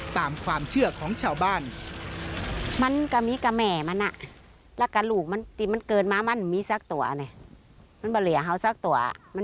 ตามความเชื่อของชาวบ้าน